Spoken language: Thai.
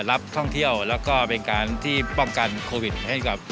รับท่องเที่ยวแล้วก็เป็นการที่ป้องกันโควิดให้กับ